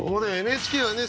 ＮＨＫはね